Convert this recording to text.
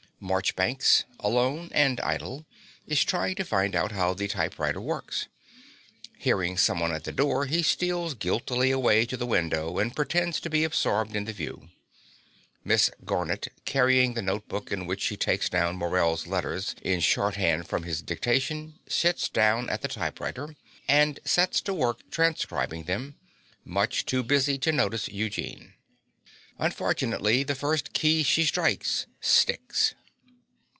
Marchbanks, alone and idle, is trying to find out how the typewriter works. Hearing someone at the door, he steals guiltily away to the window and pretends to be absorbed in the view. Miss Garnett, carrying the notebook in which she takes down Morell's letters in shorthand from his dictation, sits down at the typewriter and sets to work transcribing them, much too busy to notice Eugene. Unfortunately the first key she strikes sticks.